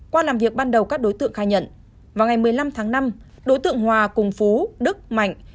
qua làm việc ban đầu các đối tượng khai nhận vào ngày một mươi năm tháng năm đối tượng hòa cùng phú đức mạnh